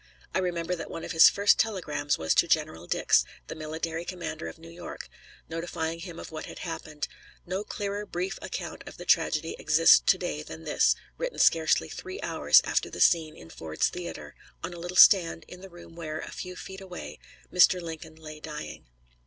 I remember that one of his first telegrams was to General Dix, the military commander of New York, notifying him of what had happened. No clearer brief account of the tragedy exists to day than this, written scarcely three hours after the scene in Ford's Theater, on a little stand in the room where, a few feet away, Mr. Lincoln lay dying.